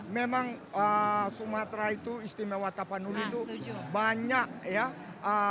memang sumatera itu istimewa tapanuli itu banyak ya